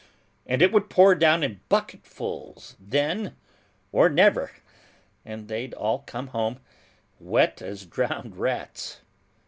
And it would pour down in bucketfuls then or never, and they'd all come home, wet as drowned rats.